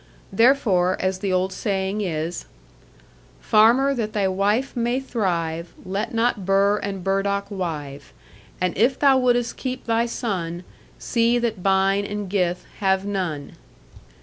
Therefore, as the old saying is, Farmer, that thy wife may thrive, Let not burr and burdock wive; And if thou wouldst keep thy son, See that bine and gith have none.